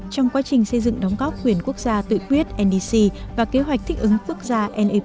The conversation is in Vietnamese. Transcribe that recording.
trong quá trình xây dựng đóng góp quyền quốc gia tự quyết ndc và kế hoạch thích ứng quốc gia